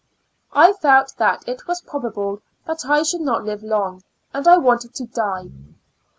I felt that it was probable that I should not live long, and I wanted to die.